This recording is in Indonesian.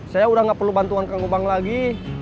saya udah gak perlu bantuan kang wa bang lagi